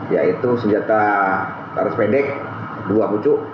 yaitu senjata laras pendek dua pucu